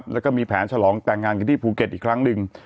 แล้วก็มีแผนฉลองแต่งงานกันที่ภูเก็ตอีกครั้งหนึ่ง